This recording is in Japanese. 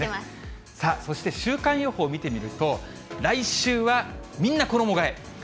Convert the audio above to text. さあ、そして週間予報を見てみると、来週は、みんな衣がえ。